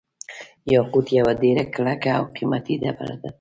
یاقوت یوه ډیره کلکه او قیمتي ډبره ده.